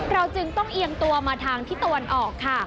เราจึงต้องเอียงตัวมาทางทิศตะวันออกค่ะ